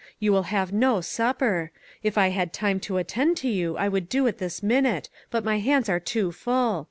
You will have no supper; if I had time to attend to you, I would do it this minute ; but my hands are too full.